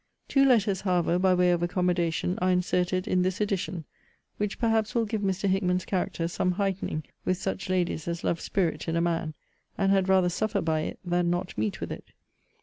Two letters, however, by way of accommodation, are inserted in this edition, which perhaps will give Mr. Hickman's character some heightening with such ladies as love spirit in a man; and had rather suffer by it, than not meet with it.